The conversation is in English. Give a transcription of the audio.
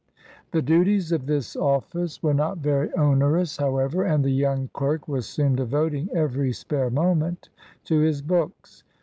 The duties of this office were not very onerous, however, and the young clerk was soon devoting every spare moment to his books.